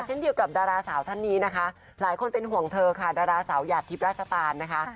เช่นเดียวกับดาราสาวท่านนี้นะคะหลายคนเป็นห่วงเธอค่ะดาราสาวหยาดทิพย์ราชการนะคะ